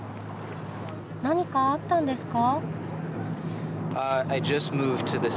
何かあったんですか？